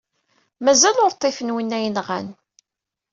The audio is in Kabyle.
Mazal ur ṭṭifen winna yenɣan.